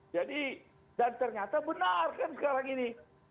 jadi dan ternyata benar kan sekarang ini